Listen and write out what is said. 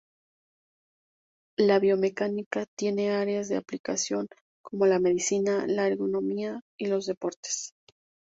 La biomecánica tiene áreas de aplicación como la medicina, la ergonomía y los deportes.